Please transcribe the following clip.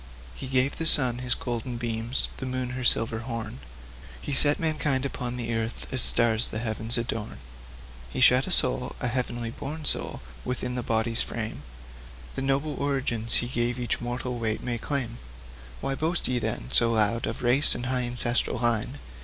He gave the sun his golden beams, the moon her silver horn; He set mankind upon the earth, as stars the heavens adorn. He shut a soul a heaven born soul within the body's frame; The noble origin he gave each mortal wight may claim. Why boast ye, then, so loud of race and high ancestral line?